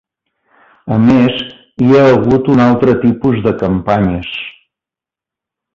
A més, hi ha hagut un altre tipus de campanyes.